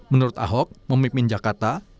menurut ahok memimpin jakarta